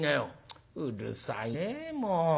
「うるさいねもう。